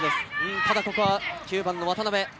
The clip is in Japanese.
ただここは９番の渡邉。